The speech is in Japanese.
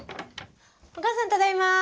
お母さんただいま。